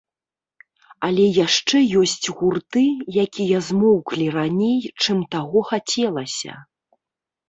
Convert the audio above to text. Але яшчэ ёсць гурты, якія змоўклі раней, чым таго хацелася.